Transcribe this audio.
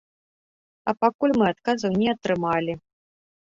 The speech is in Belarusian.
А пакуль мы адказаў не атрымалі.